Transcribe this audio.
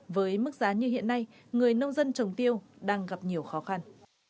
với mức giá như hiện nay người nông dân trồng tiêu đang gặp nhiều khó khăn